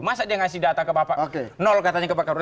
masa dia ngasih data ke bapak